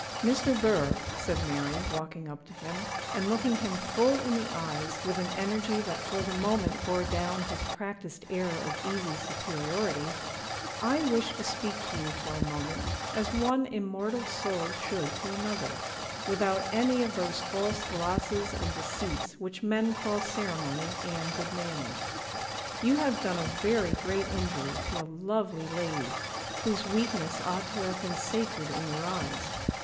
'Mr. Burr,' said Mary, walking up to him, and looking him full in the eyes with an energy that for the moment bore down his practised air of easy superiority, 'I wish to speak to you for a moment, as one immortal soul should to another, without any of those false glosses and deceits which men call ceremony and good manners. You have done a very great injury to a lovely lady, whose weakness ought to have been sacred in your eyes.